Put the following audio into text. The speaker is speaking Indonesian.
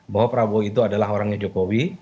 bahwa prabowo itu adalah orangnya jokowi